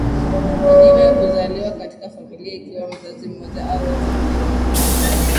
Wengine huzaliwa katika familia ikiwa mzazi mmoja au wote wawili ni Wakristo tayari